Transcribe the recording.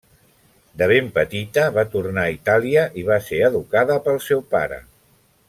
De ben petita va tornar a Itàlia i va ser educada pel seu pare.